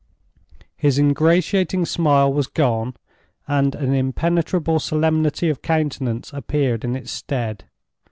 His ingratiating smile was gone, and an impenetrable solemnity of countenance appeared in its stead.